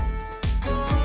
om jin gak boleh ikut